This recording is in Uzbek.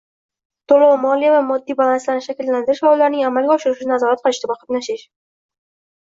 to`lov, moliya va moddiy balanslarni shakllantirish va ularning amalga oshirilishini nazorat qilishda qatnashish;